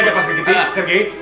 gini aja pak sergiti sergei